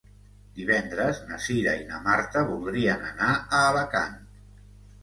Divendres na Cira i na Marta voldrien anar a Alacant.